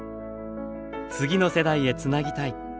「次の世代へつなぎたい」